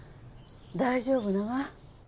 大丈夫なが？